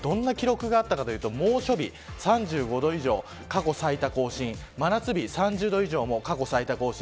どんな記録があったかというと猛暑日３５度以上、過去最多更新真夏日３０度以上も過去最多を更新。